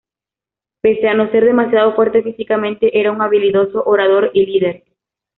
Pese a no ser demasiado fuerte físicamente, era un habilidoso orador y líder.